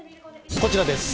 こちらです。